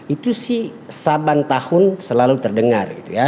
itu sih saban tahun selalu terdengar gitu ya